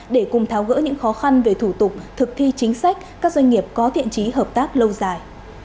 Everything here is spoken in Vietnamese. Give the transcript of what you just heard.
để cùng tháo gỡ những khó khăn về thủ tục thực thi chính sách các doanh nghiệp có thiện trí hợp tác lâu dài